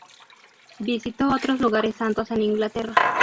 Visitó otros lugares santos en Inglaterra.